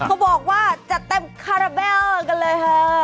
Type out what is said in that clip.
เขาบอกว่าจะเต็มคาราเบลกันเลยค่ะ